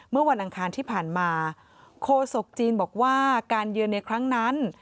เมื่อวันอังคารที่ผ่านมาโคศกจีนบอกว่าการเยือนในครั้งนั้น